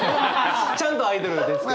ちゃんとアイドルです。